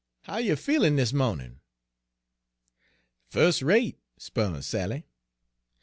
'How you feelin' dis mawnin'?' " 'Fus rate,' 'spon' Sally.